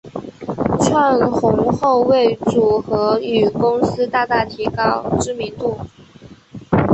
窜红后为组合与公司大大提高知名度。